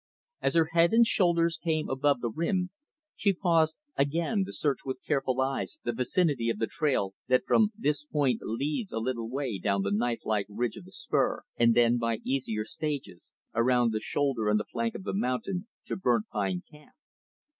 As her head and shoulders came above the rim, she paused again, to search with careful eyes the vicinity of the trail that from this point leads for a little way down the knife like ridge of the spur, and then, by easier stages, around the shoulder and the flank of the mountain, to Burnt Pine Camp.